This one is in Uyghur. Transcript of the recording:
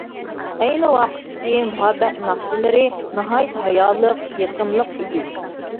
ئەينى ۋاقىتتىكى مۇھەببەت ناخشىلىرى ناھايىتى ھايالىق، يېقىملىق ئىدى.